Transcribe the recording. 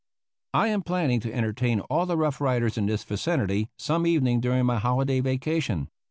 "I am planning to entertain all the Rough Riders in this vicinity some evening during my holiday vacation.